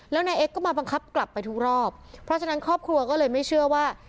แล้วนายเอ็กซก็มาบังคับกลับไปทุกรอบเพราะฉะนั้นครอบครัวก็เลยไม่เชื่อว่า